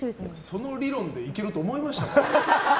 その理論でいけると思いました？